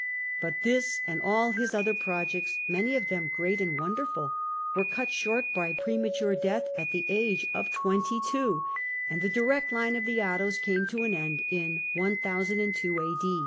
But this and all his other projects, many of them great and wonderful, were cut short by premature death at the age of twenty two, and the direct line of the Ottos came to an end in 1002 a.